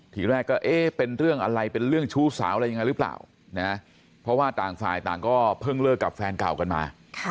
ทีแรกก็เอ๊ะเป็นเรื่องอะไรเป็นเรื่องชู้สาวอะไรยังไงหรือเปล่านะเพราะว่าต่างฝ่ายต่างก็เพิ่งเลิกกับแฟนเก่ากันมา